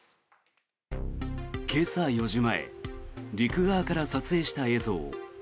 今朝４時前陸側から撮影した映像。